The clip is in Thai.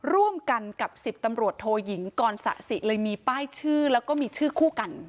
ร่วมกันกับ๑๐ตำรวจโทยิงกรสะสิเลยมีป้ายชื่อแล้วก็มีชื่อคู่กัน